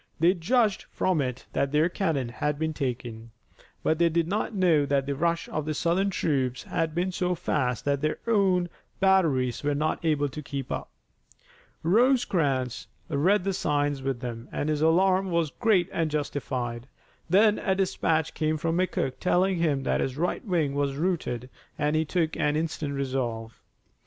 They judged from it that their cannon had been taken, but they did not know that the rush of the Southern troops had been so fast that their own batteries were not able to keep up. Rosecrans read the signs with them and his alarm was great and justified. Then a dispatch came from McCook telling him that his right wing was routed and he took an instant resolve.